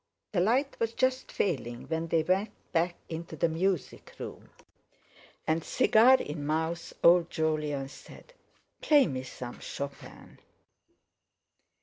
The light was just failing when they went back into the music room. And, cigar in mouth, old Jolyon said: "Play me some Chopin."